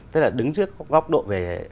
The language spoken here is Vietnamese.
tức là đứng trước góc độ về